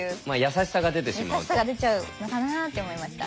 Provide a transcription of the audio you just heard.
優しさが出ちゃうのかなって思いました。